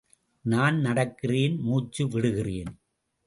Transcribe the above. நான் நடக்கிறேன், மூச்சு விடுகிறேன்.